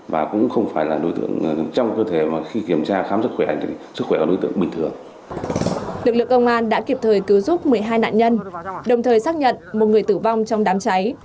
lực lượng công an đã kịp thời cứu giúp một mươi hai nạn nhân đồng thời xác nhận một người tử vong trong đám cháy